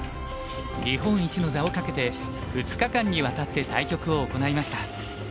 日本一の座を懸けて２日間にわたって対局を行いました。